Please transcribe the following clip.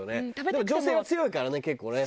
でも女性は強いからね結構ね。